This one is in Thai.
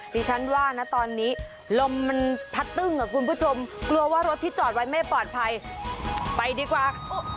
ดิฉันว่านะตอนนี้ลมมันพัดตึ้งอ่ะคุณผู้ชมกลัวว่ารถที่จอดไว้ไม่ปลอดภัยไปดีกว่า